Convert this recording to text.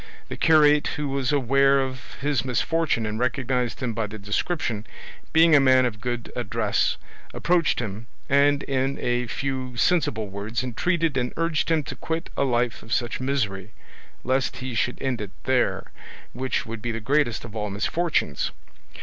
The curate, who was aware of his misfortune and recognised him by the description, being a man of good address, approached him and in a few sensible words entreated and urged him to quit a life of such misery, lest he should end it there, which would be the greatest of all misfortunes.